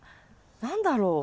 何だろう？